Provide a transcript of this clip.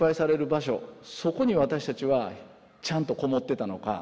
そこに私たちはちゃんとこもってたのか。